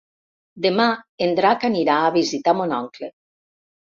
Demà en Drac anirà a visitar mon oncle.